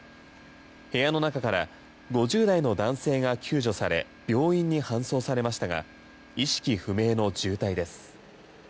部屋の中から５０代の男性が救助され病院に搬送されましたが意識不明の重体です。